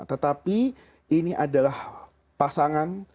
tetapi ini adalah pasangan